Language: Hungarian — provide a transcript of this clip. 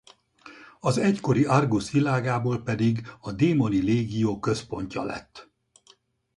Az egykori Argus világából pedig a démoni légió központja lett.